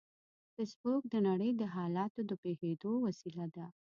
فېسبوک د نړۍ د حالاتو د پوهېدو وسیله ده